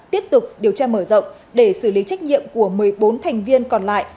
tiếp tục điều tra mở rộng để xử lý trách nhiệm của một mươi bốn thành viên còn lại